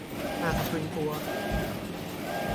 น่าสะพรึงกลัว